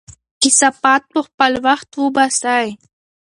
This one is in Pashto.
کثافات په خپل وخت وباسئ.